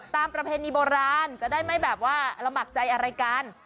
ประเพณีโบราณจะได้ไม่แบบว่าลำบากใจอะไรกัน